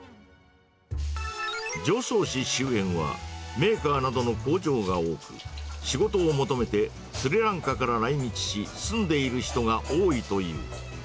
常総市周辺はメーカーなどの工場が多く、仕事を求めてスリランカから来日し、住んでいる人が多いという。